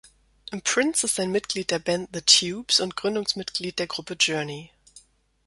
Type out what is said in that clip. Prince ist ein Mitglied der Band The Tubes und Gründungsmitglied der Gruppe Journey.